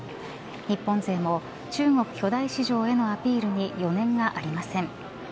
日本勢も中国巨大市場へのアピールに余念がありません。